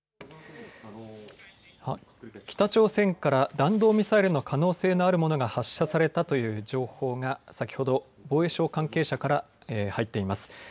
北朝鮮から弾道ミサイルの可能性のあるものが発射されたという情報が先ほど防衛省関係者から入っています。